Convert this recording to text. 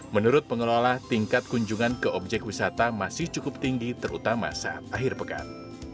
menurut pengelola tingkat kunjungan ke objek wisata masih cukup tinggi terutama saat akhir pekan